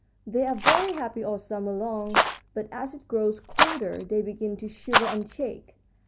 "They are very happy all summer long, but as it grows colder they begin to shiver and shake.